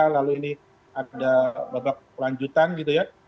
lalu ini ada beberapa kelanjutan gitu ya